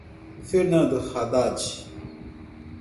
Fernando Haddad